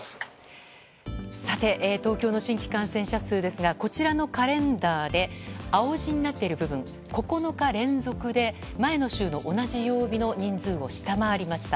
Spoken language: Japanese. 東京の新規感染者数ですがこちらのカレンダーで青字になっている部分９日連続で前の週の同じ曜日の人数を下回りました。